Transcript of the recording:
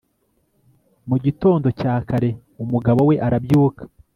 mu gitondo cya kare, umugabo we arabyuka